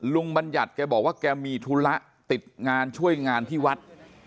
บัญญัติแกบอกว่าแกมีธุระติดงานช่วยงานที่วัด